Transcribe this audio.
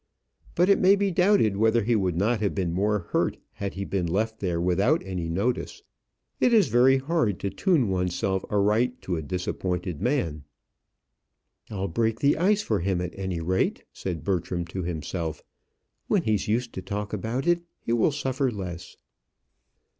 But it may be doubted whether he would not have been more hurt had he been left there without any notice. It is very hard to tune oneself aright to a disappointed man. "I'll break the ice for him, at any rate," said Bertram to himself. "When he's used to talk about it, he will suffer less."